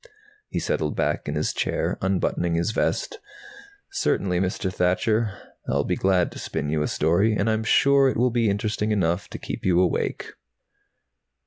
He settled back in his chair, unbuttoning his vest. "Certainly, Mr. Thacher. I'll be glad to spin you a story. And I'm sure it will be interesting enough to keep you awake."